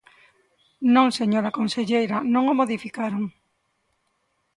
Non, señora conselleira, non o modificaron.